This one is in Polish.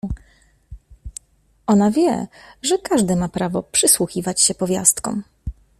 Ona wie, że każdy ma prawo przysłuchiwać się powiastkom.